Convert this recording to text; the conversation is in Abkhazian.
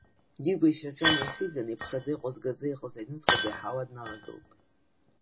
Дигәа ишьаҿа неихиган, иԥхаӡа, иҟәазгаӡа иҟаз аҩныҵҟатәи аҳауа дналагылт.